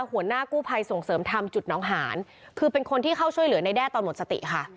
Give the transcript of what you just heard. หัวหน้ากู้ภัยส่งเสริมธรรมจุดน้องหานคือเป็นคนที่เข้าช่วยเหลือในแด้ตอนหมดสติค่ะ